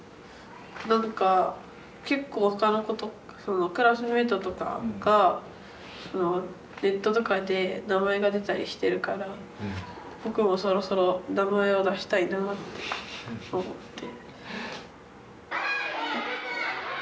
何か結構他の子クラスメートとかがネットとかで名前が出たりしてるから「僕もそろそろ名前を出したいな」って思って。